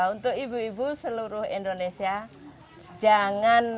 untuk ibu ibu seluruh indonesia jangan